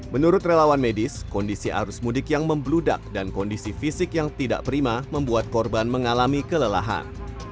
menurut relawan medis kondisi arus mudik yang membludak dan kondisi fisik yang tidak prima membuat korban mengalami kelelahan